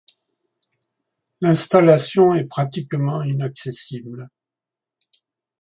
L'installation est pratiquement inaccessible.